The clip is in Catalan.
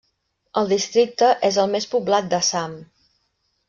El districte és el més poblat d'Assam.